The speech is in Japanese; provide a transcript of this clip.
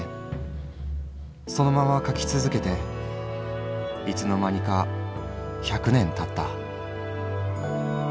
そのまま描き続けていつの間にか百年たった」。